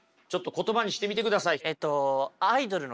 言葉にしてみてください。